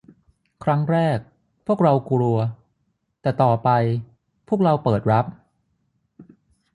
ครั้งแรกพวกเรากลัวแต่ต่อไปพวกเราเปิดรับ